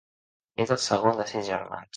És el segon de sis germans.